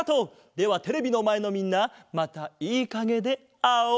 ではテレビのまえのみんなまたいいかげであおう。